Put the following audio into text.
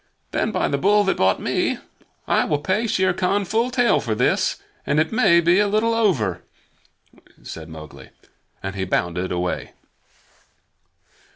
"Then, by the Bull that bought me, I will pay Shere Khan full tale for this, and it may be a little over," said Mowgli, and he bounded away.